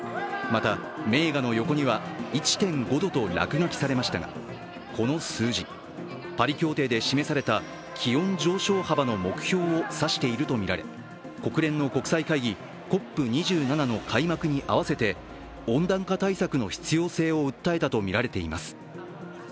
また、名画の横には「１．５度」と落書きされましたが、この数字、パリ協定で示された気温上昇幅の目標を指しているとみられ国連の国際会議、ＣＯＰ２７の開幕に合わせて温暖化対策の必要性を訴えたとみられています。